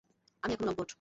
আমি এখনো লম্পট।